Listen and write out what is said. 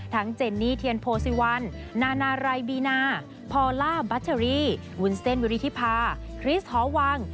ทั้งเจนนี่เทียนโพซิวัลนานารายบีนาพอล่าบัชรีวุนเส้นวิริธิภาคริสท์ฮอล์วัง